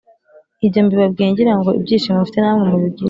Ibyo mbibabwiye ngira ngo ibyishimo mfite namwe mubigire